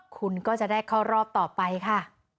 คุณก็จะได้เข้ารอบต่อไปค่ะ